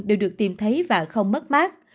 đều được tìm thấy và không mất mát